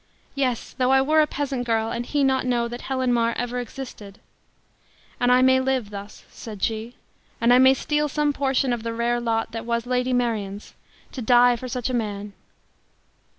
Yes, though I were a peasant girl, and he not know that Helen Mar even existed! And I may live thus," said she; "and I may steal some portion of the rare lot that was Lady Marion's to die for such a man!